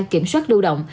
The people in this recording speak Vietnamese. kiểm soát lưu động